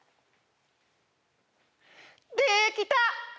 できた！